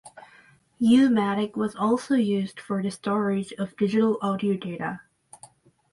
U-matic was also used for the storage of digital audio data.